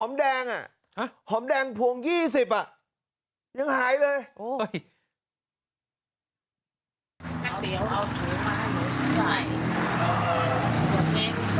หอมแดงอ่ะหอมแดงพวง๒๐อ่ะยังหายเลย